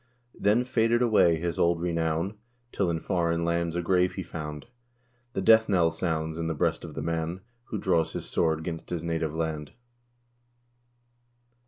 " Then faded away his old renown, Till in foreign lands a grave he found. The death knell sounds in the breast of the man Who draws his sword 'gainst his native land."